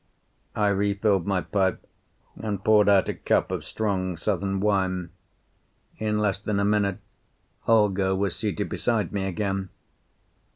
I refilled my pipe and poured out a cup of strong southern wine; in less than a minute Holger was seated beside me again.